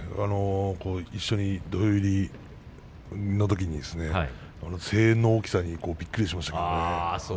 一緒に土俵入りのときに声援の大きさにびっくりしました。